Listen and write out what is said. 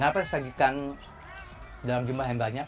kenapa disajikan dalam jumlah yang banyak